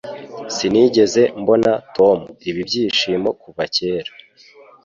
Sinigeze mbona Tom ibi byishimo kuva kera.